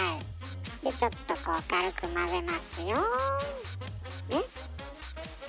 でちょっとこう軽く混ぜますよ。ね？ね？